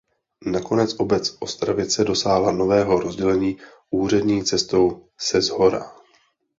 Nakonec obec Ostravice dosáhla nového rozdělení úřední cestou seshora.